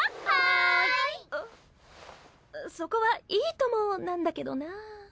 あっそこは「いいとも」なんだけどな。